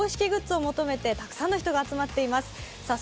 東京ドームは皆さん、公式グッスを求めてたくさんの人が集まっています。